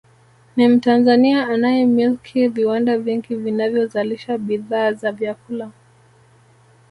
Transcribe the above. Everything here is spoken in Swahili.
Ni Mtanzania anayemilki viwanda vingi vinavyozalisha bidhaa za vyakula